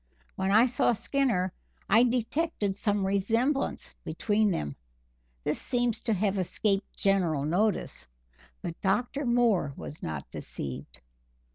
When I saw Skinner, I detected some resemblance between them this seems to have escaped general notice, but Dr. Moore was not deceived.